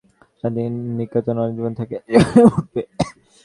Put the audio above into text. শান্তিনিকেতনে অতিথিভবন আছে, সেখানে উঠবে।